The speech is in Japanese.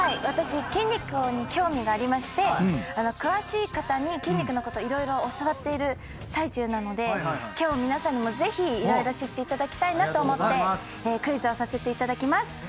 私筋肉に興味がありまして詳しい方に筋肉のこと色々教わっている最中なので今日皆さんにもぜひ色々知っていただきたいなと思ってクイズをさせていただきます！